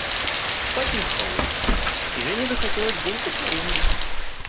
Спать не спалось, и Жене захотелось булки с вареньем.